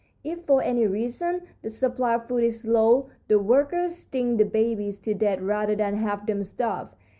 If for any reason the supply of food is low the workers sting the babies to death rather than have them starve.